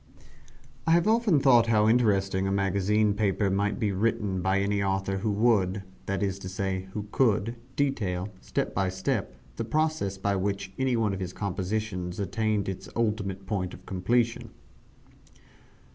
I have often thought how interesting a magazine paper might be written by any author who would that is to say, who could detail, step by step, the processes by which any one of his compositions attained its ultimate point of completion.